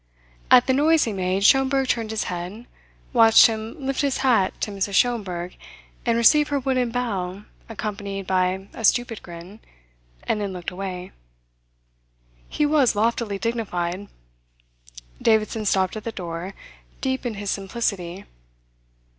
At the noise he made Schomberg turned his head, watched him lift his hat to Mrs. Schomberg and receive her wooden bow accompanied by a stupid grin, and then looked away. He was loftily dignified. Davidson stopped at the door, deep in his simplicity.